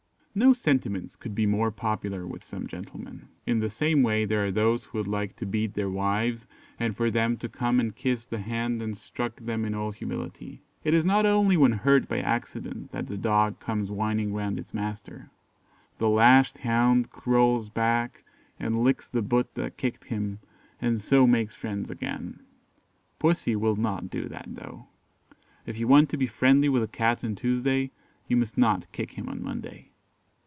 No sentiments could be more popular with some gentlemen. In the same way there are those who would like to beat their wives, and for them to come and kiss the hand that struck them in all humility. It is not only when hurt by accident that the dog comes whining round its master. The lashed hound crawls back and licks the boot that kicked him, and so makes friends again. Pussy will not do that though. If you want to be friendly with a cat on Tuesday, you must not kick him on Monday.